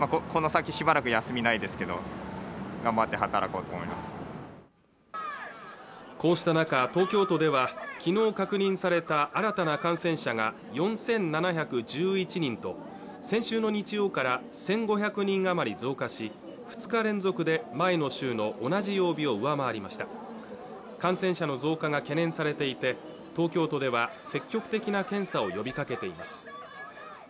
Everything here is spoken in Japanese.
こうした中東京都ではきのう確認された新たな感染者が４７１１人と先週の日曜から１５００人余り増加し２日連続で前の週の同じ曜日を上回りました感染者の増加が懸念されていて東京都では積極的な検査を呼びかけています